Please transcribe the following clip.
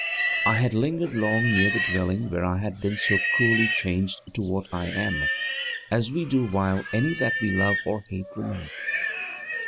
I had lingered long near the dwelling where I had been so cruelly changed to what I am, as we do while any that we love or hate remain.